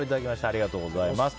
ありがとうございます。